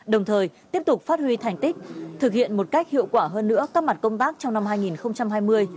đồng thời tiếp tục phát huy thành tích thực hiện một cách hiệu quả hơn nữa các mặt công tác trong năm hai nghìn hai mươi